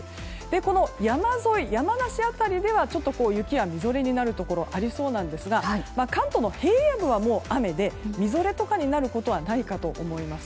この山沿い、山梨辺りではちょっと雪やみぞれになるところありそうなんですが関東の平野部は、もう雨でみぞれとかになることはないかと思います。